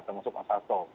termasuk mas hasto